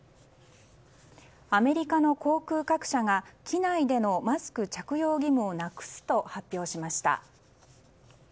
アメリカの航空各社が機内でのマスク着用義務をなくすと発表しました。